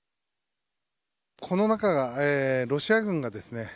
この中がロシア軍がですね